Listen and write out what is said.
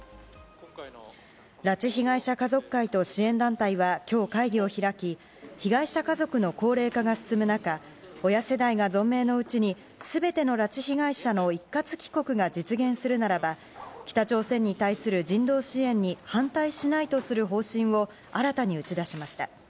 拉致被害者家族会と支援団体はきょう会議を開き、被害者家族の高齢化が進む中、親世代が存命のうちに、すべての拉致被害者の一括帰国が実現するならば、北朝鮮に対する人道支援に反対しないとする方針を、新たに打ち出しました。